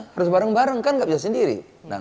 harus barang barang kan gak bisa sendiri